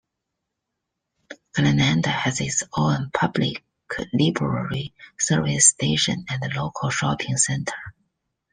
Glenanda has its own public library, service station and local shopping centre.